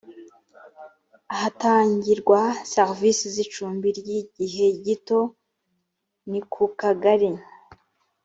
ahatangirwa serivisi z’ icumbi ry’ igihe gito ni ku kagari